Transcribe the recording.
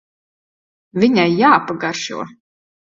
Viņai jāpagaršo.